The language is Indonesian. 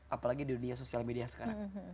apalagi di dunia sosial media sekarang